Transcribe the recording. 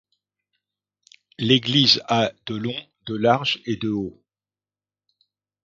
L'église a de long, de large et de haut.